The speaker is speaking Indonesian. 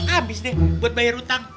habis deh buat bayar utang